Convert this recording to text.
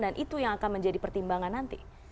dan itu yang akan menjadi pertimbangan nanti